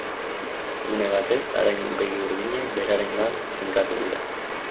Une batez, haren begi urdinak berarengan finkatu dira.